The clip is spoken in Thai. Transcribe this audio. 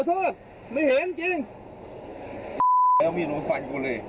ไอ้แล้วไม่ได้โดนฟันกูเลย